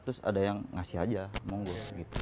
terus ada yang ngasih aja monggo gitu